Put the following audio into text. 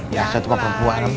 ya satu perempuan